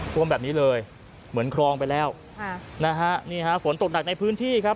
ท่วมแบบนี้เลยเหมือนคลองไปแล้วค่ะนะฮะนี่ฮะฝนตกหนักในพื้นที่ครับ